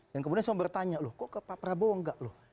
dan kemudian semua bertanya loh kok ke pak prabowo enggak loh